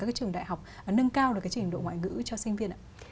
các cái trường đại học nâng cao được cái trình độ ngoại ngữ cho sinh viên ạ